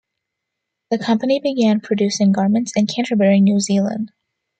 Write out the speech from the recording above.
The company began producing garments in Canterbury, New Zealand.